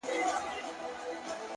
• نو یې مخ سو پر جومات او پر لمونځونو,